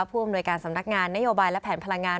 ผู้อำนวยการสำนักงานนโยบายและแผนพลังงาน